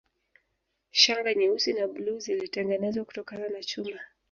Shanga nyeusi na bluu zilitengenezwa kutokana na chuma